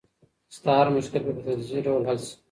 ستا هر مشکل به په تدریجي ډول حل شي.